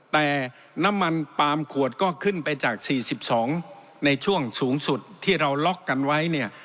แต่น้ำมันปาล์มขวดก็ขึ้นไปจาก๔๒ในช่วงสูงสุดที่เราล็อกกันไว้เนี่ย